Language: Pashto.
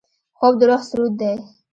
خوب د روح سرود دی